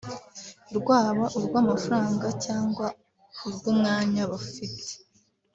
rwaba urw’amafaranga cyangwa urw’umwanya bafite